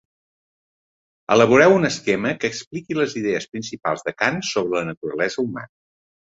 Elaboreu un esquema que explique les idees principals de Kant sobre la naturalesa humana.